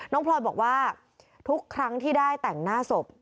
พลอยบอกว่าทุกครั้งที่ได้แต่งหน้าศพ